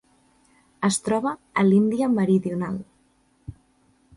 Es troba a l'Índia meridional.